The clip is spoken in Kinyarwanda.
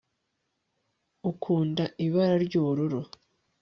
ukunda ibara ry'ubururu